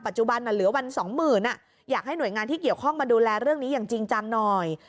จุบันเหลือวันสองหมื่นอยากให้หน่วยงานที่เกี่ยวข้องมาดูแลเรื่องนี้อย่างจริงจังหน่อย